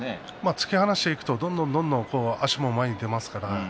突き放していくとどんどん足も出てきますからね。